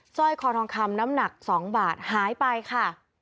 สร้อยคอทองคำน้ำหนัก๒บาทหายไปค่ะ